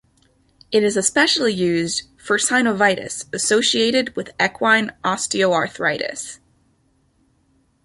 It is especially used for synovitis associated with equine osteoarthritis.